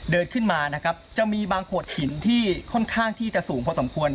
เดินขึ้นมานะครับจะมีบางโขดหินที่ค่อนข้างที่จะสูงพอสมควร